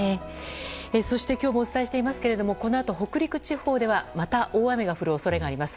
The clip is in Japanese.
そして今日もお伝えしていますがこのあと北陸地方ではまた大雨が降る恐れがあります。